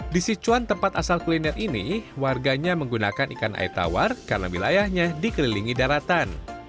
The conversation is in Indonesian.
di sichuan tempat asal kuliner ini warganya menggunakan ikan air tawar karena wilayahnya dikelilingi daratan